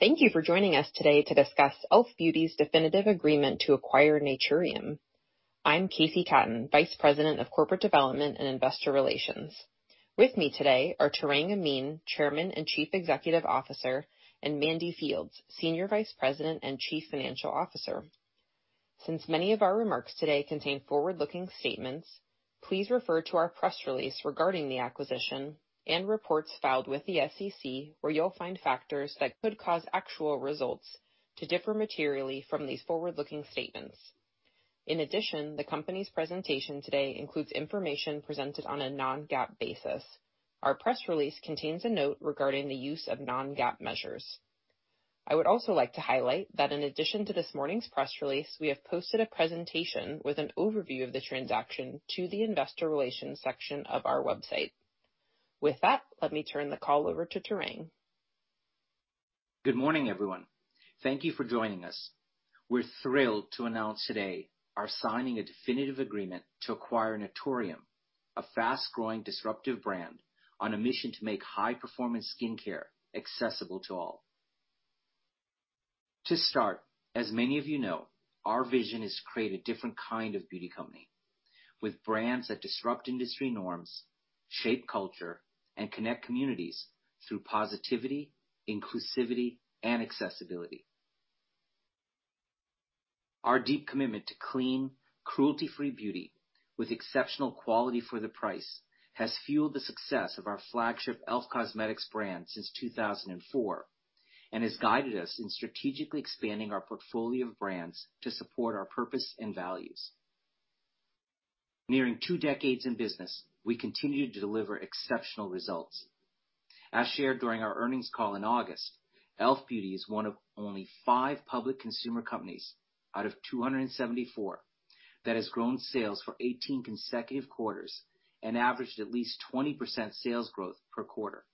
Thank you for joining us today to discuss e.l.f. Beauty's definitive agreement to acquire Naturium. I'm Casey Catton, Vice President of Corporate Development and Investor Relations. With me today are Tarang Amin, Chairman and Chief Executive Officer, and Mandy Fields, Senior Vice President and Chief Financial Officer. Since many of our remarks today contain forward-looking statements, please refer to our press release regarding the acquisition and reports filed with the SEC, where you'll find factors that could cause actual results to differ materially from these forward-looking statements. In addition, the company's presentation today includes information presented on a non-GAAP basis. Our press release contains a note regarding the use of non-GAAP measures. I would also like to highlight that in addition to this morning's press release, we have posted a presentation with an overview of the transaction to the investor relations section of our website. With that, let me turn the call over to Tarang. Good morning, everyone. Thank you for joining us. We're thrilled to announce today our signing a definitive agreement to acquire Naturium, a fast-growing, disruptive brand on a mission to make high-performance skincare accessible to all. To start, as many of you know, our vision is to create a different kind of beauty company, with brands that disrupt industry norms, shape culture, and connect communities through positivity, inclusivity, and accessibility. Our deep commitment to clean, cruelty-free beauty with exceptional quality for the price has fueled the success of our flagship e.l.f. Cosmetics brand since 2004, and has guided us in strategically expanding our portfolio of brands to support our purpose and values. Nearing two decades in business, we continue to deliver exceptional results. As shared during our earnings call in August, e.l.f. Beauty is one of only 5 public consumer companies out of 274, that has grown sales for 18 consecutive quarters and averaged at least 20% sales growth per quarter.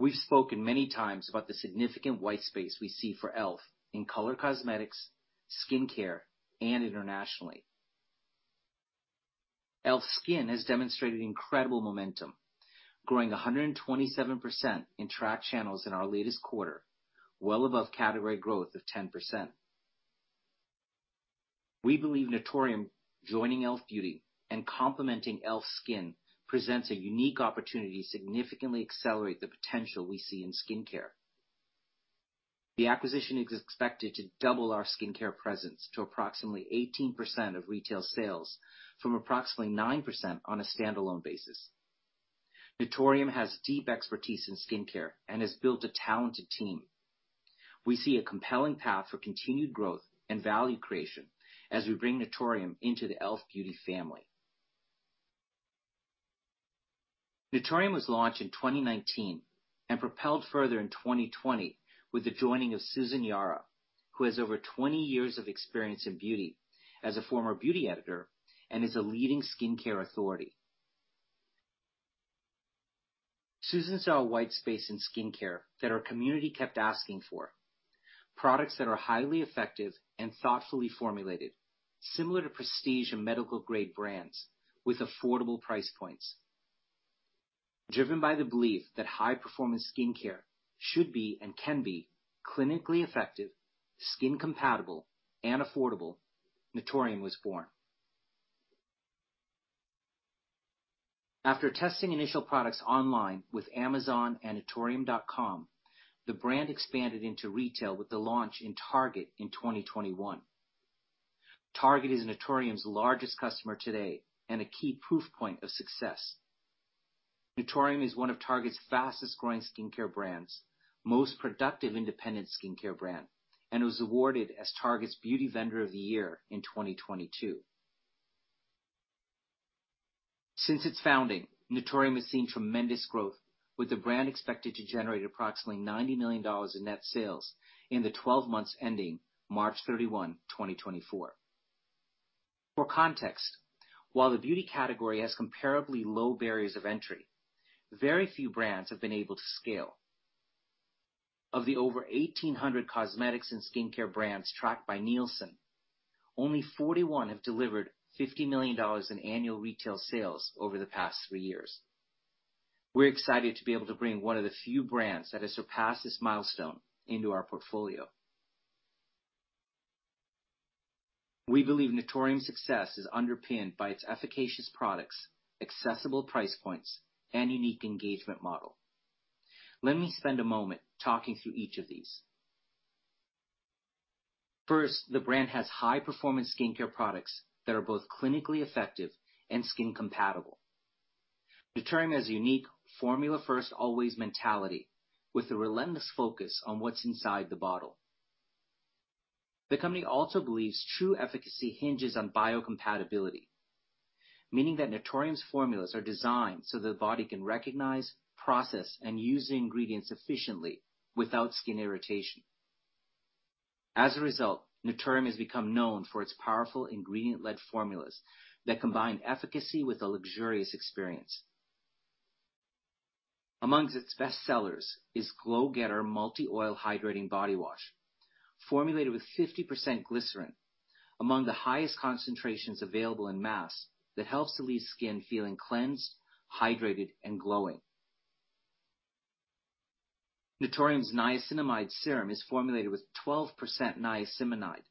We've spoken many times about the significant white space we see for e.l.f. in color cosmetics, skincare, and internationally. e.l.f. SKIN has demonstrated incredible momentum, growing 127% in track channels in our latest quarter, well above category growth of 10%. We believe Naturium joining e.l.f. Beauty and complementing e.l.f. SKIN, presents a unique opportunity to significantly accelerate the potential we see in skincare. The acquisition is expected to double our skincare presence to approximately 18% of retail sales, from approximately 9% on a standalone basis. Naturium has deep expertise in skincare and has built a talented team. We see a compelling path for continued growth and value creation as we bring Naturium into the e.l.f. Beauty family. Naturium was launched in 2019 and propelled further in 2020 with the joining of Susan Yara, who has over 20 years of experience in beauty as a former beauty editor and is a leading skincare authority. Susan saw a white space in skincare that our community kept asking for, products that are highly effective and thoughtfully formulated, similar to prestige and medical-grade brands with affordable price points. Driven by the belief that high-performance skincare should be and can be clinically effective, skin compatible, and affordable, Naturium was born. After testing initial products online with Amazon and Naturium.com, the brand expanded into retail with the launch in Target in 2021. Target is Naturium's largest customer today and a key proof point of success. Naturium is one of Target's fastest-growing skincare brands, most productive independent skincare brand, and was awarded as Target's Beauty Vendor of the Year in 2022. Since its founding, Naturium has seen tremendous growth, with the brand expected to generate approximately $90 million in net sales in the 12 months ending March 31, 2024. For context, while the beauty category has comparably low barriers of entry, very few brands have been able to scale. Of the over 1,800 cosmetics and skincare brands tracked by Nielsen, only 41 have delivered $50 million in annual retail sales over the past 3 years. We're excited to be able to bring one of the few brands that has surpassed this milestone into our portfolio. We believe Naturium's success is underpinned by its efficacious products, accessible price points, and unique engagement model. Let me spend a moment talking through each of these. First, the brand has high-performance skincare products that are both clinically effective and skin compatible. Naturium has a unique formula-first always mentality, with a relentless focus on what's inside the bottle. The company also believes true efficacy hinges on biocompatibility, meaning that Naturium's formulas are designed so the body can recognize, process, and use the ingredients efficiently without skin irritation. As a result, Naturium has become known for its powerful ingredient-led formulas that combine efficacy with a luxurious experience. Among its best sellers is Glow Getter Multi-Oil Hydrating Body Wash, formulated with 50% glycerin, among the highest concentrations available in mass, that helps to leave skin feeling cleansed, hydrated, and glowing. Naturium's Niacinamide Serum is formulated with 12% niacinamide,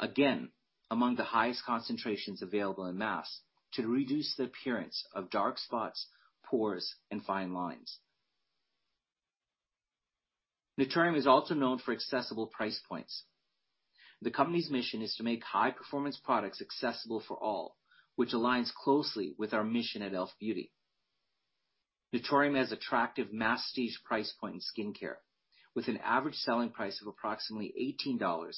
again, among the highest concentrations available in mass, to reduce the appearance of dark spots, pores, and fine lines. Naturium is also known for accessible price points. The company's mission is to make high-performance products accessible for all, which aligns closely with our mission at e.l.f. Beauty. Naturium has attractive masstige price point in skincare, with an average selling price of approximately $18,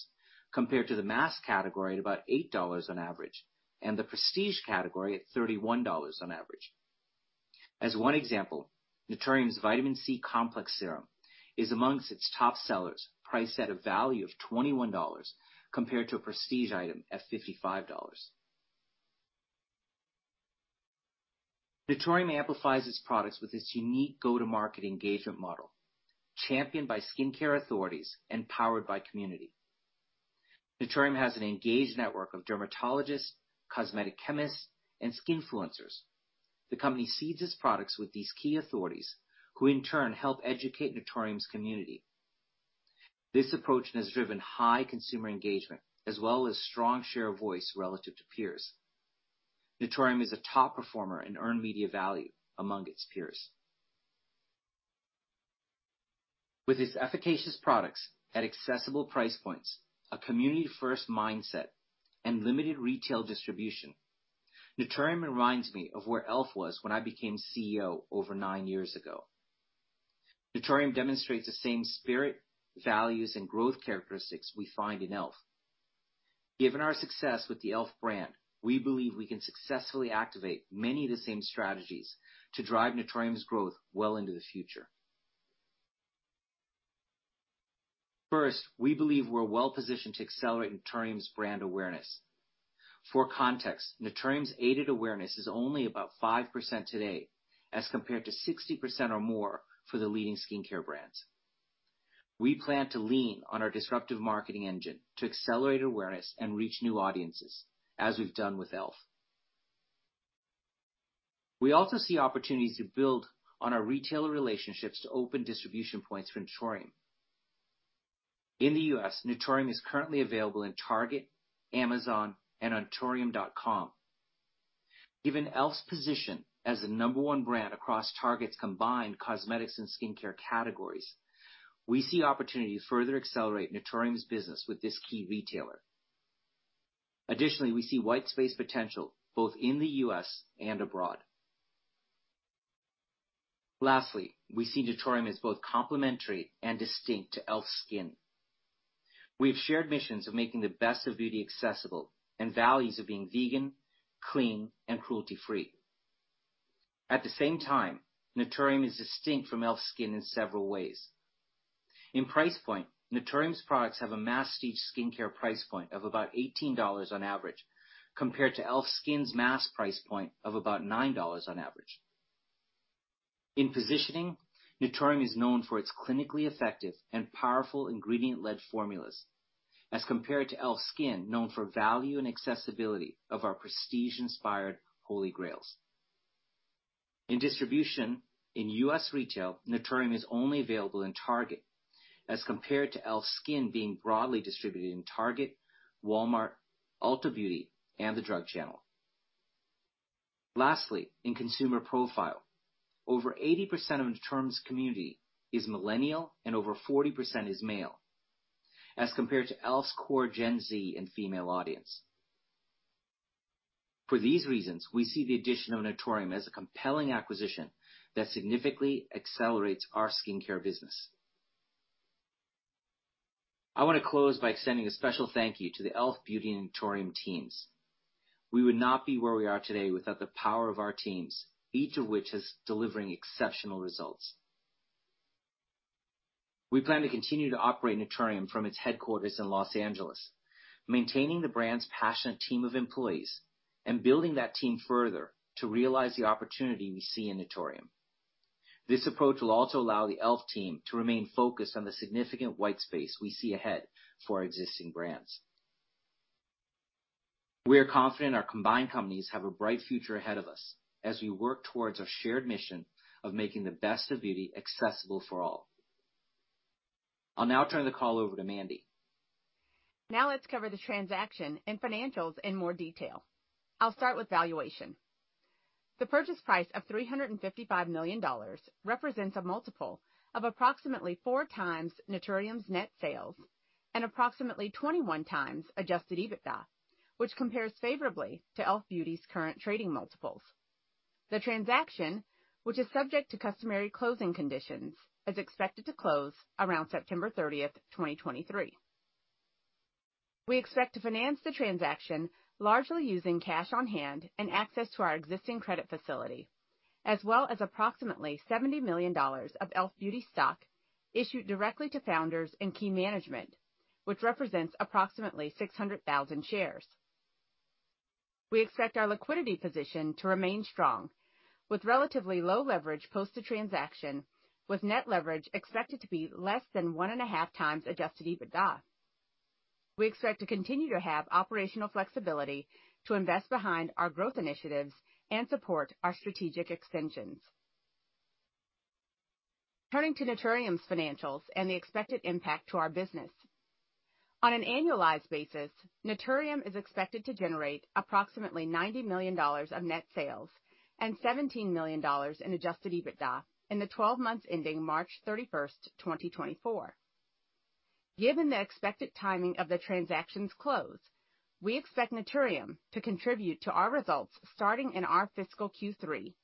compared to the mass category at about $8 on average, and the prestige category at $31 on average. As one example, Naturium's Vitamin C Complex Serum is amongst its top sellers, priced at a value of $21, compared to a prestige item at $55. Naturium amplifies its products with its unique go-to-market engagement model, championed by skincare authorities and powered by community. Naturium has an engaged network of dermatologists, cosmetic chemists, and skinfluencers. The company seeds its products with these key authorities, who in turn help educate Naturium's community. This approach has driven high consumer engagement as well as strong share of voice relative to peers. Naturium is a top performer in earned media value among its peers. With its efficacious products at accessible price points, a community-first mindset, and limited retail distribution, Naturium reminds me of where e.l.f. was when I became CEO over nine years ago. Naturium demonstrates the same spirit, values, and growth characteristics we find in e.l.f. Given our success with the e.l.f. brand, we believe we can successfully activate many of the same strategies to drive Naturium's growth well into the future. First, we believe we're well positioned to accelerate Naturium's brand awareness. For context, Naturium's aided awareness is only about 5% today, as compared to 60% or more for the leading skincare brands. We plan to lean on our disruptive marketing engine to accelerate awareness and reach new audiences, as we've done with e.l.f. We also see opportunities to build on our retailer relationships to open distribution points for Naturium. In the U.S., Naturium is currently available in Target, Amazon, and on Naturium.com. Given e.l.f.'s position as the number one brand across Target's combined cosmetics and skincare categories, we see opportunity to further accelerate Naturium's business with this key retailer. Additionally, we see white space potential both in the U.S. and abroad. Lastly, we see Naturium as both complementary and distinct to e.l.f. SKIN. We have shared missions of making the best of beauty accessible and values of being vegan, clean, and cruelty-free. At the same time, Naturium is distinct from e.l.f. SKIN in several ways. In price point, Naturium's products have a masstige skincare price point of about $18 on average, compared to e.l.f. SKIN's mass price point of about $9 on average. In positioning, Naturium is known for its clinically effective and powerful ingredient-led formulas, as compared to e.l.f. SKIN, known for value and accessibility of our prestige-inspired holy Grails. In distribution in U.S. retail, Naturium is only available in Target, as compared to e.l.f. SKIN being broadly distributed in Target, Walmart, Ulta Beauty, and the drug channel. Lastly, in consumer profile, over 80% of Naturium's community is millennial, and over 40% is male, as compared to e.l.f.'s core Gen Z and female audience. For these reasons, we see the addition of Naturium as a compelling acquisition that significantly accelerates our skincare business. I want to close by extending a special thank you to the e.l.f. Beauty and Naturium teams. We would not be where we are today without the power of our teams, each of which is delivering exceptional results. We plan to continue to operate Naturium from its headquarters in Los Angeles, maintaining the brand's passionate team of employees and building that team further to realize the opportunity we see in Naturium. This approach will also allow the e.l.f. team to remain focused on the significant white space we see ahead for our existing brands. We are confident our combined companies have a bright future ahead of us as we work towards our shared mission of making the best of beauty accessible for all. I'll now turn the call over to Mandy. Now let's cover the transaction and financials in more detail. I'll start with valuation. The purchase price of $355 million represents a multiple of approximately 4x Naturium's net sales and approximately 21x adjusted EBITDA, which compares favorably to e.l.f. Beauty's current trading multiples. The transaction, which is subject to customary closing conditions, is expected to close around September 30, 2023. We expect to finance the transaction largely using cash on hand and access to our existing credit facility, as well as approximately $70 million of e.l.f. Beauty stock issued directly to founders and key management, which represents approximately 600,000 shares.... We expect our liquidity position to remain strong, with relatively low leverage post the transaction, with net leverage expected to be less than 1.5x adjusted EBITDA. We expect to continue to have operational flexibility to invest behind our growth initiatives and support our strategic extensions. Turning to Naturium's financials and the expected impact to our business. On an annualized basis, Naturium is expected to generate approximately $90 million of net sales and $17 million in adjusted EBITDA in the 12 months ending March 31, 2024. Given the expected timing of the transaction's close, we expect Naturium to contribute to our results starting in our fiscal Q3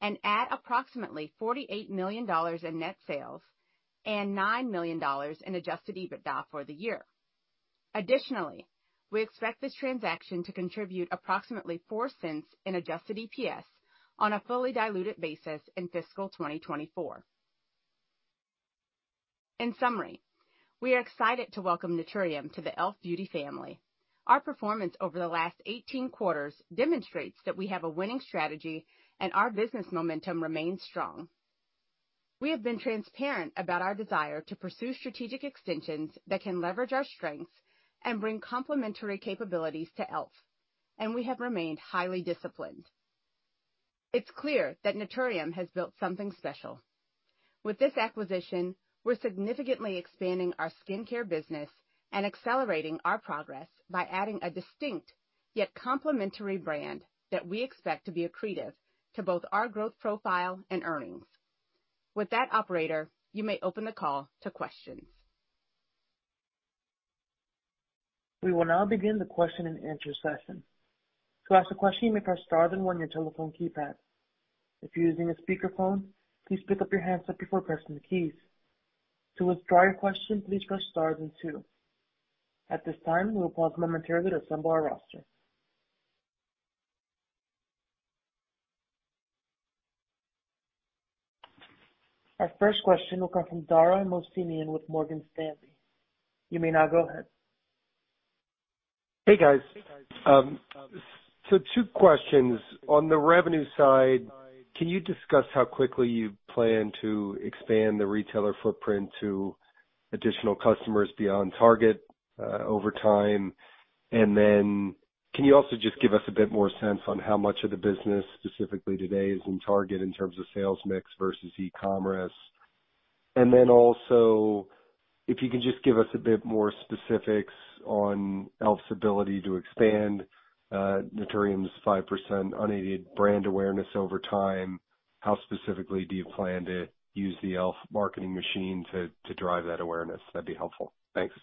and add approximately $48 million in net sales and $9 million in adjusted EBITDA for the year. Additionally, we expect this transaction to contribute approximately $0.04 in adjusted EPS on a fully diluted basis in fiscal 2024. In summary, we are excited to welcome Naturium to the e.l.f. Beauty family. Our performance over the last 18 quarters demonstrates that we have a winning strategy and our business momentum remains strong. We have been transparent about our desire to pursue strategic extensions that can leverage our strengths and bring complementary capabilities to e.l.f., and we have remained highly disciplined. It's clear that Naturium has built something special. With this acquisition, we're significantly expanding our skincare business and accelerating our progress by adding a distinct yet complementary brand that we expect to be accretive to both our growth profile and earnings. With that, operator, you may open the call to questions. We will now begin the question-and-answer session. To ask a question, you may press star then one on your telephone keypad. If you're using a speakerphone, please pick up your handset before pressing the keys. To withdraw your question, please press star then two. At this time, we will pause momentarily to assemble our roster. Our first question will come from Dara Mohsenian with Morgan Stanley. You may now go ahead. Hey, guys. So two questions. On the revenue side, can you discuss how quickly you plan to expand the retailer footprint to additional customers beyond Target, over time? And then can you also just give us a bit more sense on how much of the business, specifically today, is in Target in terms of sales mix versus e-commerce? And then also, if you can just give us a bit more specifics on e.l.f.'s ability to expand, Naturium's 5% unaided brand awareness over time, how specifically do you plan to use the e.l.f. marketing machine to drive that awareness? That'd be helpful. Thanks.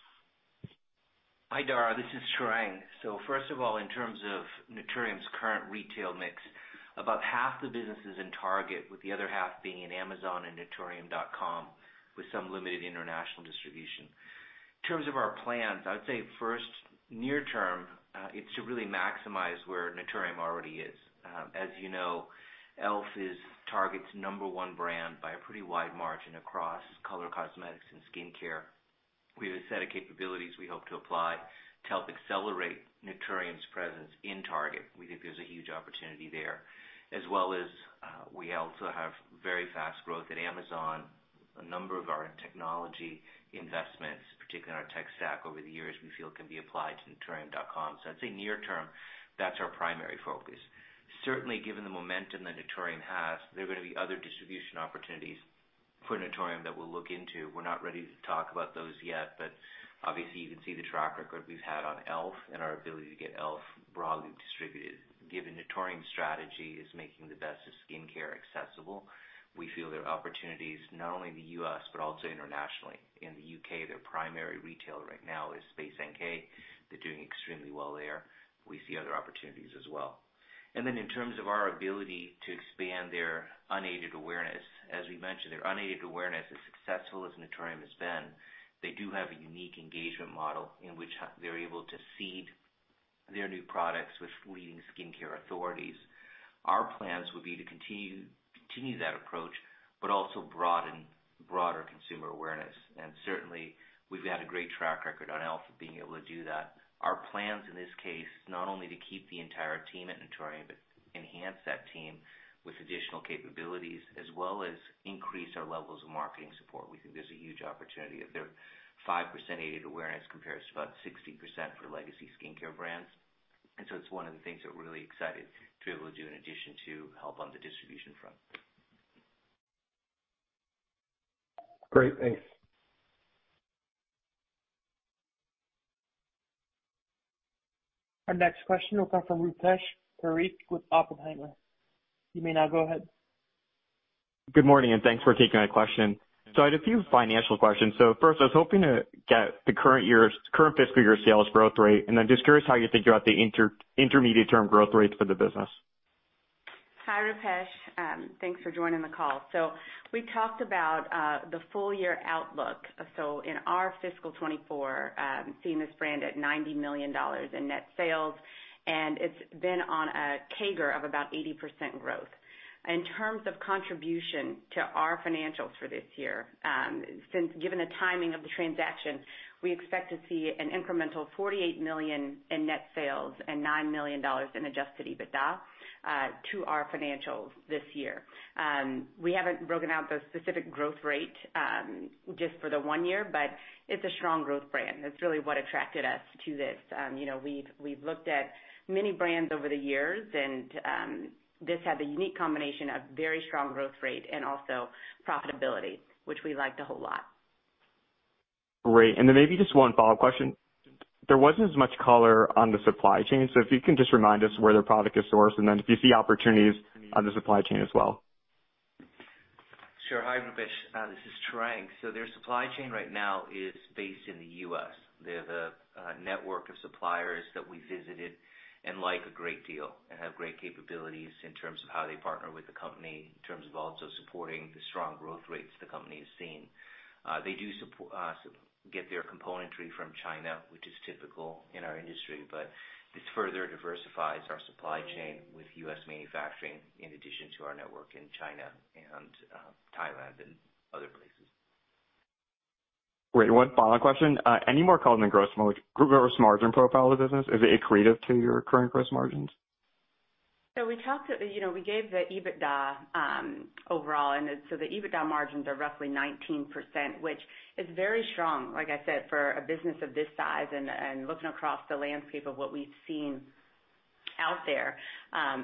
Hi, Dara. This is Tarang. So first of all, in terms of Naturium's current retail mix, about half the business is in Target, with the other half being in Amazon and Naturium.com, with some limited international distribution. In terms of our plans, I would say first, near term, it's to really maximize where Naturium already is. As you know, e.l.f. is Target's number one brand by a pretty wide margin across color, cosmetics, and skincare. We have a set of capabilities we hope to apply to help accelerate Naturium's presence in Target. We think there's a huge opportunity there, as well as, we also have very fast growth at Amazon. A number of our technology investments, particularly in our tech stack over the years, we feel can be applied to Naturium.com. So I'd say near term, that's our primary focus. Certainly, given the momentum that Naturium has, there are going to be other distribution opportunities for Naturium that we'll look into. We're not ready to talk about those yet, but obviously, you can see the track record we've had on e.l.f. and our ability to get e.l.f. broadly distributed. Given Naturium's strategy is making the best of skincare accessible, we feel there are opportunities not only in the U.S., but also internationally. In the U.K., their primary retailer right now is Space NK. They're doing extremely well there. We see other opportunities as well. In terms of our ability to expand their unaided awareness, as we mentioned, their unaided awareness, as successful as Naturium has been, they do have a unique engagement model in which they're able to seed their new products with leading skincare authorities. Our plans would be to continue that approach, but also broaden consumer awareness. Certainly, we've had a great track record on e.l.f. being able to do that. Our plans, in this case, is not only to keep the entire team at Naturium, but enhance that team with additional capabilities, as well as increase our levels of marketing support. We think there's a huge opportunity. Their 5% aided awareness compares to about 60% for legacy skincare brands. So it's one of the things that we're really excited to be able to do in addition to help on the distribution front. Great. Thanks. Our next question will come from Rupesh Parikh with Oppenheimer. You may now go ahead. Good morning, and thanks for taking my question. I had a few financial questions. First, I was hoping to get the current year's, current fiscal year's sales growth rate, and then just curious how you think about the intermediate term growth rates for the business?... Hi, Rupesh. Thanks for joining the call. So we've talked about the full year outlook. So in our fiscal 2024, seeing this brand at $90 million in net sales, and it's been on a CAGR of about 80% growth. In terms of contribution to our financials for this year, since given the timing of the transaction, we expect to see an incremental $48 million in net sales and $9 million in Adjusted EBITDA to our financials this year. We haven't broken out the specific growth rate just for the one year, but it's a strong growth brand. That's really what attracted us to this. You know, we've looked at many brands over the years, and this had the unique combination of very strong growth rate and also profitability, which we liked a whole lot. Great. And then maybe just one follow-up question. There wasn't as much color on the supply chain, so if you can just remind us where their product is sourced, and then if you see opportunities on the supply chain as well. Sure. Hi, Rupesh, this is Tarang. So their supply chain right now is based in the U.S. They have a network of suppliers that we visited and like a great deal and have great capabilities in terms of how they partner with the company, in terms of also supporting the strong growth rates the company has seen. They do get their componentry from China, which is typical in our industry, but this further diversifies our supply chain with U.S. manufacturing, in addition to our network in China and Thailand and other places. Great. One final question. Any more color on the gross margin profile of the business? Is it accretive to your current gross margins? So we talked, you know, we gave the EBITDA overall, and so the EBITDA margins are roughly 19%, which is very strong, like I said, for a business of this size and, and looking across the landscape of what we've seen out there,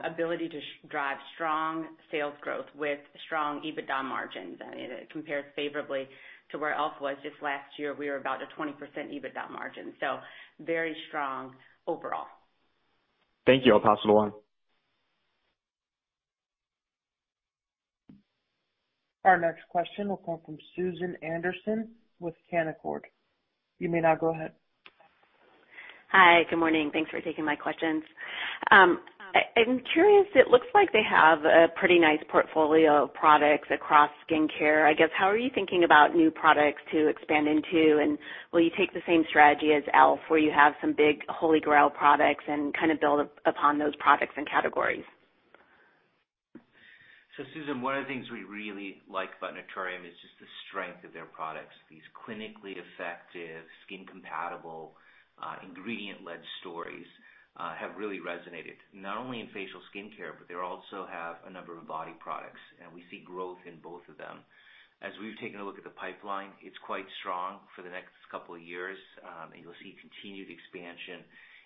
ability to drive strong sales growth with strong EBITDA margins. And it compares favorably to where e.l.f. was just last year. We were about a 20% EBITDA margin, so very strong overall. Thank you. I'll pass it along. Our next question will come from Susan Anderson with Canaccord. You may now go ahead. Hi, good morning. Thanks for taking my questions. I'm curious, it looks like they have a pretty nice portfolio of products across skincare. I guess, how are you thinking about new products to expand into? And will you take the same strategy as e.l.f., where you have some big holy grail products and kind of build up upon those products and categories? So, Susan, one of the things we really like about Naturium is just the strength of their products. These clinically effective, skin compatible, ingredient-led stories have really resonated not only in facial skincare, but they also have a number of body products, and we see growth in both of them. As we've taken a look at the pipeline, it's quite strong for the next couple of years, and you'll see continued expansion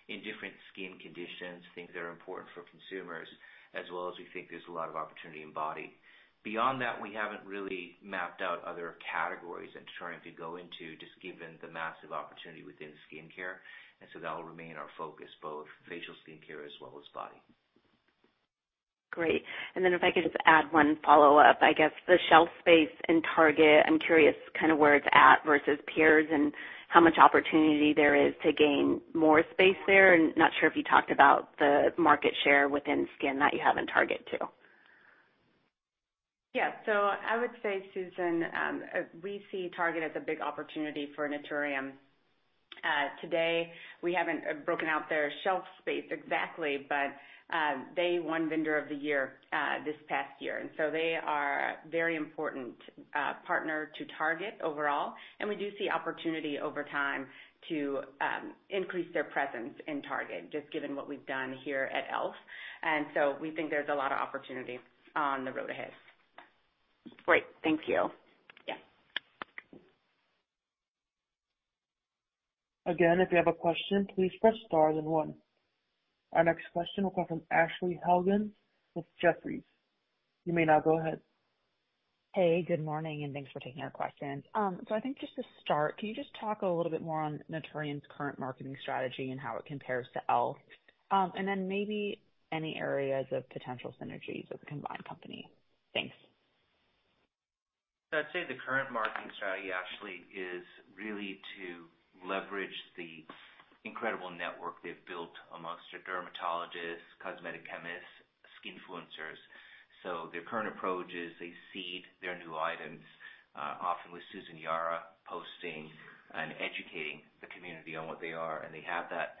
in different skin conditions, things that are important for consumers, as well as we think there's a lot of opportunity in body. Beyond that, we haven't really mapped out other categories that we're trying to go into, just given the massive opportunity within skincare, and so that will remain our focus, both facial skincare as well as body. Great. And then if I could just add one follow-up, I guess the shelf space in Target, I'm curious kind of where it's at versus peers and how much opportunity there is to gain more space there. And not sure if you talked about the market share within skin that you have in Target, too. Yeah. So I would say, Susan, we see Target as a big opportunity for Naturium. Today, we haven't broken out their shelf space exactly, but they won Vendor of the Year this past year, and so they are a very important partner to Target overall. And we do see opportunity over time to increase their presence in Target, just given what we've done here at e.l.f. And so we think there's a lot of opportunity on the road ahead. Great. Thank you. Yeah. Again, if you have a question, please press star then one. Our next question will come from Ashley Helgan with Jefferies. You may now go ahead. Hey, good morning, and thanks for taking our questions. So I think just to start, can you just talk a little bit more on Naturium's current marketing strategy and how it compares to e.l.f.? And then maybe any areas of potential synergies of the combined company. Thanks. I'd say the current marketing strategy, Ashley, is really to leverage the incredible network they've built among their dermatologists, cosmetic chemists, skinfluencers. So their current approach is they seed their new items, often with Susan Yara posting and educating the community on what they are. And they have that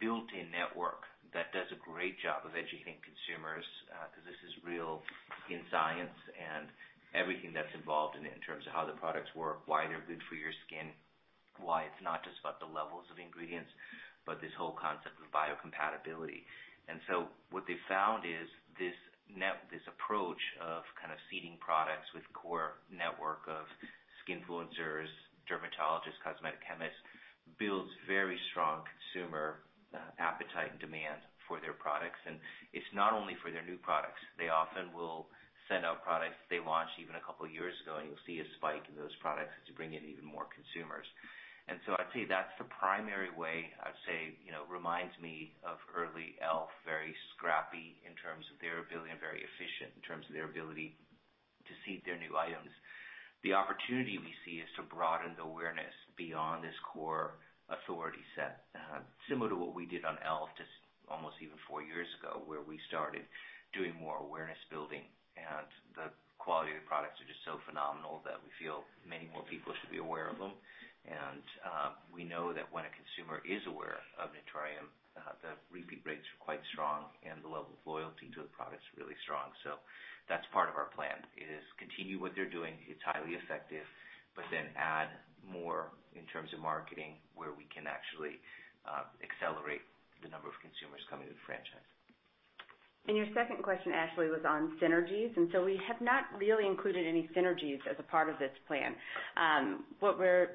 built-in network that does a great job of educating consumers, because this is real skin science and everything that's involved in it, in terms of how the products work, why they're good for your skin, why it's not just about the levels of ingredients, but this whole concept of biocompatibility. And so what they found is this approach of kind of seeding products with core network of skinfluencers, dermatologists, cosmetic chemists, builds very strong consumer appetite and demand for their products. And it's not only for their new products. They often will send out products they launched even a couple of years ago, and you'll see a spike in those products to bring in even more consumers. And so I'd say that's the primary way. I'd say, you know, reminds me of early e.l.f., very scrappy in terms of their ability and very efficient in terms of their ability to see their new items. The opportunity we see is to broaden the awareness beyond this core authority set, similar to what we did on e.l.f. just almost even four years ago, where we started doing more awareness building. And the quality of the products are just so phenomenal that we feel many more people should be aware of them. We know that when a consumer is aware of Naturium, the repeat rates are quite strong and the level of loyalty to the product is really strong. So that's part of our plan, is continue what they're doing, it's highly effective, but then add more in terms of marketing, where we can actually accelerate the number of consumers coming to the franchise. Your second question, Ashley, was on synergies, and so we have not really included any synergies as a part of this plan.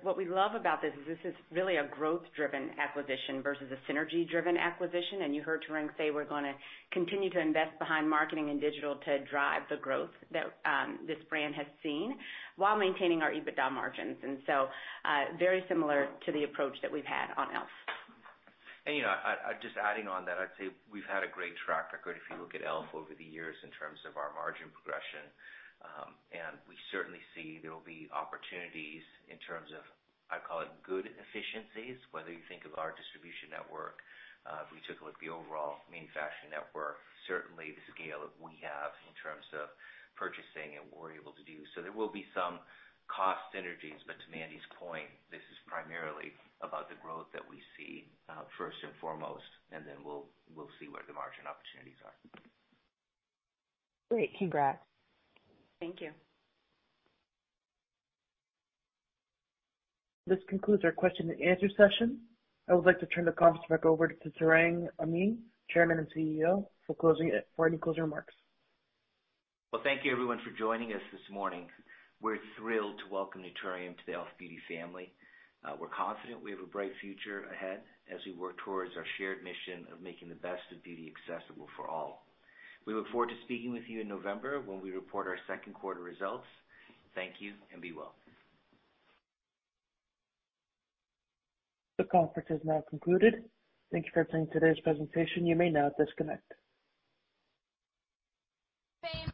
What we love about this is this is really a growth-driven acquisition versus a synergy-driven acquisition. You heard Tarang say, we're gonna continue to invest behind marketing and digital to drive the growth that this brand has seen, while maintaining our EBITDA margins. So, very similar to the approach that we've had on e.l.f. You know, just adding on that, I'd say we've had a great track record if you look at e.l.f. over the years in terms of our margin progression. And we certainly see there will be opportunities in terms of, I call it, good efficiencies, whether you think of our distribution network, if we took a look at the overall manufacturing network, certainly the scale that we have in terms of purchasing and what we're able to do. So there will be some cost synergies, but to Mandy's point, this is primarily about the growth that we see, first and foremost, and then we'll see where the margin opportunities are. Great. Congrats. Thank you. This concludes our question and answer session. I would like to turn the conference back over to Tarang Amin, Chairman and CEO, for closing, for any closing remarks. Well, thank you everyone for joining us this morning. We're thrilled to welcome Naturium to the e.l.f. Beauty family. We're confident we have a bright future ahead as we work towards our shared mission of making the best of beauty accessible for all. We look forward to speaking with you in November, when we report our second quarter results. Thank you, and be well. The conference is now concluded. Thank you for attending today's presentation. You may now disconnect.